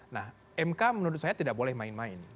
nah mk menurut saya tidak boleh main main